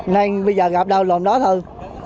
nên bây giờ gặp đâu lòm đó thôi